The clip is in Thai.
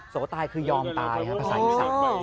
โสตายคือยอมตายภาษาอีสาน